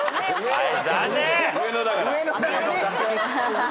はい。